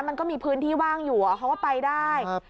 มันก็มีพื้นที่ว่างอยู่เขาก็ไปได้